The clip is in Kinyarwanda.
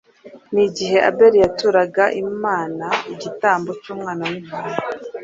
n'igihe Abeli yaturaga Imana igitambo cy'Umwana w'intama